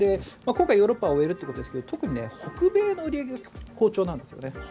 今回、ヨーロッパを終えるということですが特に北米の売り上げが好調なんですよね。